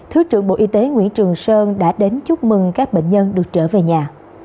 thứ trưởng bộ y tế nguyễn trường sơn đã đến chúc mừng các bệnh nhân được trở về nhà